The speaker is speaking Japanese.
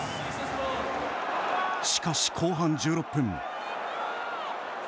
しかし、後半１６分。